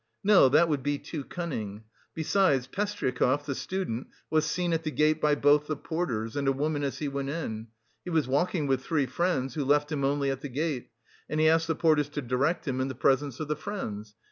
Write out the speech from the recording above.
No, that would be too cunning! Besides, Pestryakov, the student, was seen at the gate by both the porters and a woman as he went in. He was walking with three friends, who left him only at the gate, and he asked the porters to direct him, in the presence of the friends.